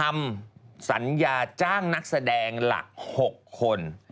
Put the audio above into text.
ทำสัญญาจ้างนักแสดงหลัก๖คน